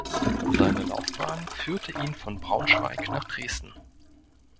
Seine Laufbahn führte ihn von Braunschweig nach Dresden.